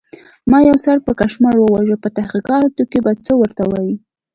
ما یو سر پړکمشر و وژه، په تحقیقاتو کې به څه ورته وایې؟